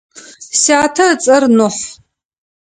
Сятэ ыцӏэр Нухь.